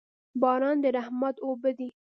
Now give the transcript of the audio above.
باران د رحمت اوبه دي.